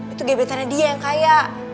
itu gebetannya dia yang kaya